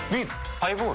ハイボール？